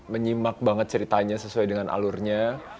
menyimak banget ceritanya sesuai dengan alurnya